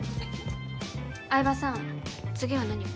饗庭さん次は何を？